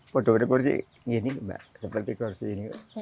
kursi kursi ini seperti kursi ini